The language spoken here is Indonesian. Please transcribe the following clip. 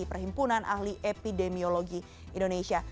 perhimpunan ahli epidemiologi indonesia